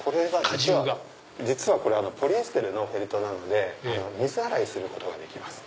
実はこれポリエステルのフェルトなので水洗いすることができます。